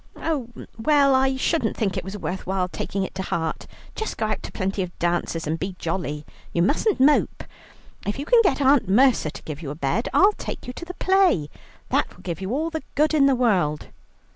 "Oh, well, I shouldn't think it was worth while taking it to heart. Just go out to plenty of dances and be jolly; you mustn't mope. If you can get Aunt Mercer to give you a bed, I'll take you to the play. That will do you all the good in the world."